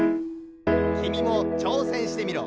きみもちょうせんしてみろ。